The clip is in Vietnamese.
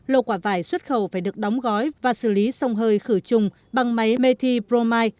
lô quả vải xuất khẩu phải được đóng gói và xử lý xong hơi khử chung bằng máy methi bromide